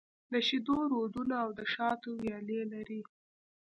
د شېدو رودونه او د شاتو ويالې لري.